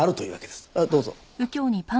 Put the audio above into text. どうぞ。